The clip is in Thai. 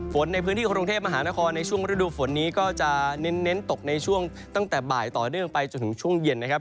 ฝนในพื้นที่กรุงเทพมหานครในช่วงฤดูฝนนี้ก็จะเน้นตกในช่วงตั้งแต่บ่ายต่อเนื่องไปจนถึงช่วงเย็นนะครับ